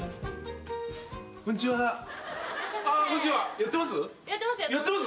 やってます？